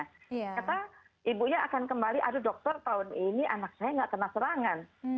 ternyata ibunya akan kembali aduh dokter tahun ini anak saya nggak kena serangan